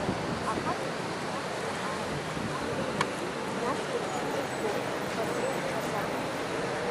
Ахацәа ахьеизо аҳәса ааишьас ирымоузеи, насгьы рхы-рҿы хтуп, паче рҿаӡам!